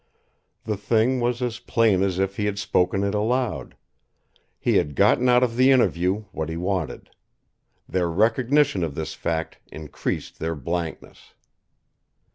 The thing was as plain as if he had spoken it aloud: he had gotten out of the interview what he wanted. Their recognition of this fact increased their blankness.